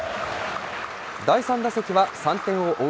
第３打席は３点を追う